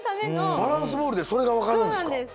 バランスボールでそれがわかるんですか？